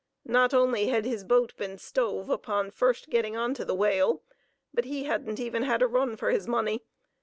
Not only had his boat been stove upon first getting on to the whale, but he hadn't even had a run for his money.